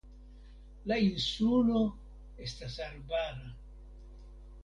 La insulo estas arbara.